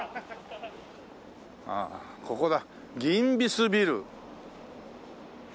ああここだギンビスビル。